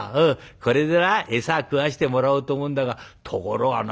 これでな餌食わしてもらおうと思うんだがところがな